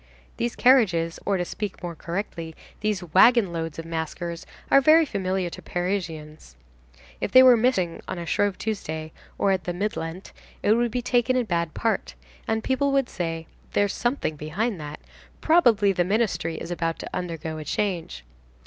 These carriages, or to speak more correctly, these wagon loads of maskers are very familiar to Parisians. If they were missing on a Shrove Tuesday, or at the Mid Lent, it would be taken in bad part, and people would say: "There's something behind that. Probably the ministry is about to undergo a change."